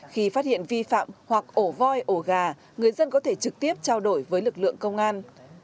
khi phát hiện vi phạm hoặc ổ voi ổ gà người dân có thể trực tiếp trao đổi với lực lượng công an